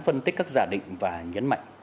phân tích các giả định và nhấn mạnh